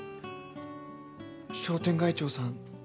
商店街長さん